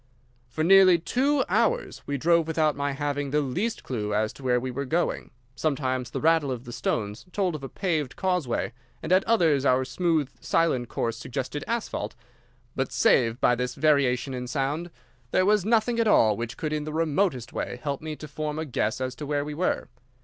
"For nearly two hours we drove without my having the least clue as to where we were going. Sometimes the rattle of the stones told of a paved causeway, and at others our smooth, silent course suggested asphalt; but, save by this variation in sound, there was nothing at all which could in the remotest way help me to form a guess as to where we were.